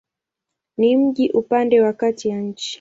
Ni mji upande wa kati ya nchi.